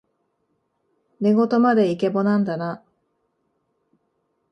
寝言までイケボなんだな